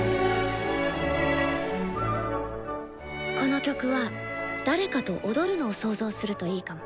この曲は誰かと踊るのを想像するといいかも。